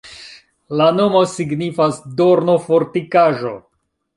La nomo signifas: dorno-fortikaĵo.